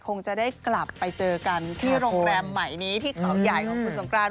คงจะได้กลับไปเจอกันที่โรงแรมใหม่นี้ที่เขาใหญ่ของคุณสงกราน